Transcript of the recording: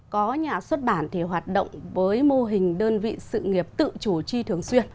có nhà xuất bản thì hoạt động với mô hình đơn vị sự nghiệp tự chủ chi thường xuyên